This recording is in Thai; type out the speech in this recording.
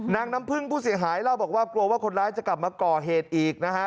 น้ำพึ่งผู้เสียหายเล่าบอกว่ากลัวว่าคนร้ายจะกลับมาก่อเหตุอีกนะฮะ